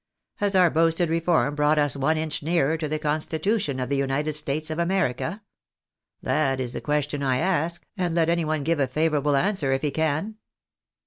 Has our boasted reform brought us one inch nearer to the constitution of the United States of America ? That is the question I ask, and let any one give a favourable answer if he can."